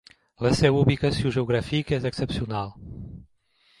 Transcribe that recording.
La seva ubicació geogràfica és excepcional.